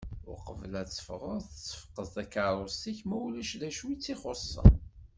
Uqbel ad tefɣeḍ sefqed i tkerrust-ik ma ulac d acu i tt-ixuṣṣen.